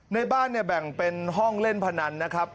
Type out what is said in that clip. ในบ้านเนี่ยแบ่งเป็นห้องเล่นพนันนะครับ